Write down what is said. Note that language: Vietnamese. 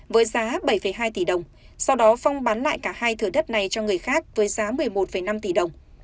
với giá bảy hai tỷ đồng sau đó phong bán lại cả hai thửa đất này cho người khác với giá một mươi một năm tỷ đồng